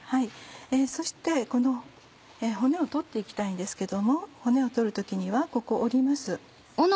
そしてこの骨を取って行きたいんですけども骨を取る時にはここ折ります。